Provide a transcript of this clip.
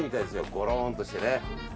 ゴローンとしてね。